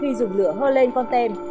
khi dùng lửa hơ lên con tem